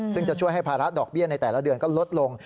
ซึ่งจะช่วยให้ภาระดอกเบี้ยในแต่ละเดือนก็ลดลง